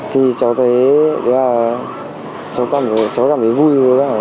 thì cháu thấy cháu cảm thấy vui cháu biết đấy là vi phạm pháp luật ạ